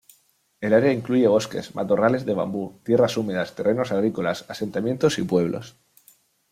El área incluye bosques, matorrales de bambú, tierras húmedas, terrenos agrícolas, asentamientos y pueblos.